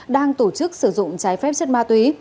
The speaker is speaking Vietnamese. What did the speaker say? đang tổ chức sử dụng trái phép chất ma túy